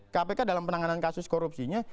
kpk dalam penanganan kasus korupsinya